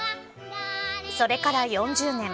それから４０年。